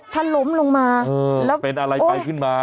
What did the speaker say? ถ้าหลุมลงมา